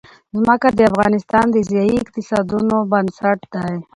ځمکه د افغانستان د ځایي اقتصادونو بنسټ دی.